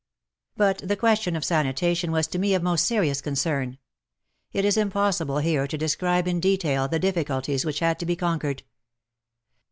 But the question of sanitation was to me of most serious concern. It is impossible here to describe in detail the difficulties which had to be conquered.